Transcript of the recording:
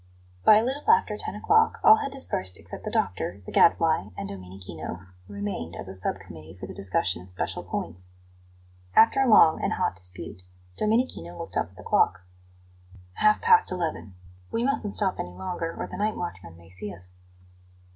By a little after ten o'clock all had dispersed except the doctor, the Gadfly, and Domenichino, who remained as a sub committee for the discussion of special points. After a long and hot dispute, Domenichino looked up at the clock. "Half past eleven; we mustn't stop any longer or the night watchman may see us."